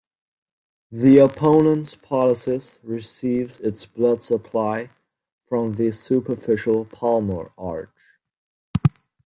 The opponens pollicis receives its blood supply from the Superficial palmar arch.